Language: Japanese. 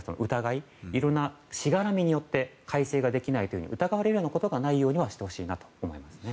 いろいろなしがらみによって改正ができないのではと疑われるようなことがないようにしてほしいと思いますね。